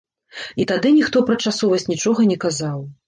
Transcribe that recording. І тады ніхто пра часовасць нічога не казаў.